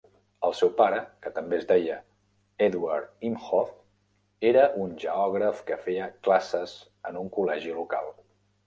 El seu pare, que també es deia Eduard Imhof, era un geògraf que feia classes en un col·legi local.